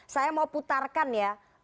saya mau putarkan ya